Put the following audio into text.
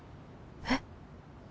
えっ？